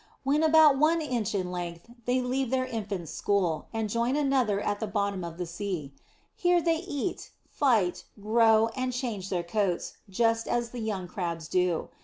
When about one inch in length they leave this infants' school, and join another at the bottom of the sea. Here they eat, fight, grow and change their coats, just as the young Crabs do.